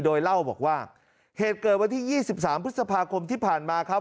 โดยเล่าบอกว่าเหตุเกิดวันที่๒๓พฤษภาคมที่ผ่านมาครับ